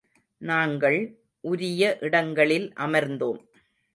நாங்கள், உரிய இடங்களில் அமர்ந்தோம்.